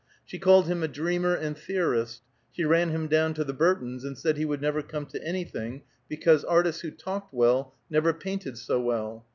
She called him a dreamer and theorist; she ran him down to the Burtons, and said he would never come to anything, because artists who talked well never painted so well.